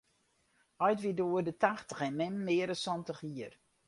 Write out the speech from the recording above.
Heit wie doe oer de tachtich en mem mear as santich jier.